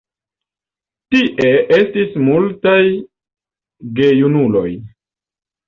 Tie estis multaj gejunuloj.